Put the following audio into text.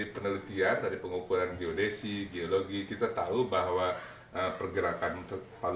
misalnya di sumatera itu pergerakannya hanya sepertiganya